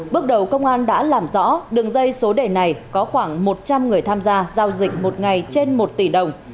bước đầu công an đã làm rõ đường dây số đề này có khoảng một trăm linh người tham gia giao dịch một ngày trên một tỷ đồng